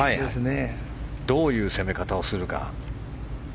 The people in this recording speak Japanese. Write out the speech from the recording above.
どういう攻め方をするか。